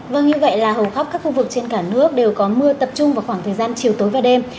vâng như vậy là hầu khắp các khu vực trên cả nước đều có mưa tập trung vào khoảng thời gian chiều tối và đêm